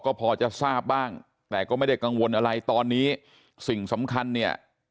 ก็พอจะทราบบ้างแต่ก็ไม่ได้กังวลอะไรตอนนี้สิ่งสำคัญเนี่ย